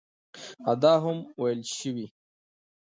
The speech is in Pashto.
او دا هم ویل شوي